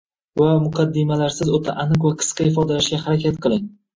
va muqaddimalarsiz o‘ta aniq va qisqa ifodalashga harakat qiling